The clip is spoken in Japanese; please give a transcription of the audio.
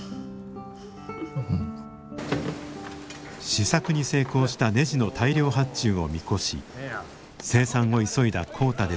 試作に成功したねじの大量発注を見越し生産を急いだ浩太ですが。